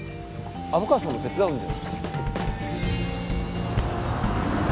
虻川さんも手伝うんじゃ。